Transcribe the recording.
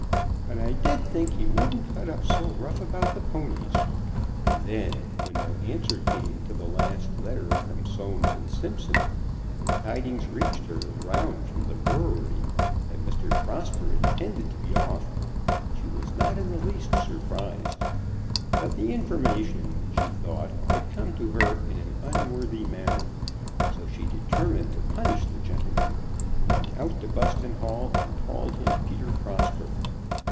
But I did think he wouldn't cut up so rough about the ponies." And then, when no answer came to the last letter from Soames & Simpson, and the tidings reached her, round from the brewery, that Mr. Prosper intended to be off, she was not in the least surprised. But the information, she thought, had come to her in an unworthy manner. So she determined to punish the gentleman, and went out to Buston Hall and called him Peter Prosper.